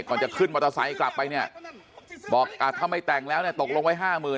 ก่อนจะขึ้นมอเตอร์ไซค์กลับไปเนี่ยบอกถ้าไม่แต่งแล้วเนี่ยตกลงไว้๕๐๐๐